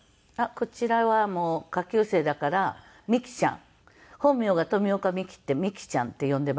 こちらは下級生だから美樹ちゃん。本名が富岡美樹って美樹ちゃんって呼んでいます。